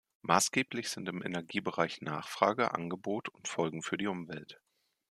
Maßgeblich sind im Energiebereich Nachfrage, Angebot und Folgen für die Umwelt.